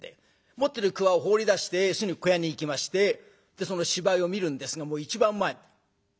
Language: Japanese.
持ってるくわを放り出してすぐ小屋に行きましてその芝居を見るんですがもう一番前かぶりつき。